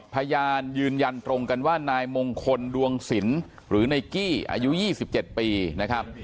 พยานยืนยันตรงกันว่านายมงคลดวงสินหรือนายกี้อายุ๒๗ปีนะครับ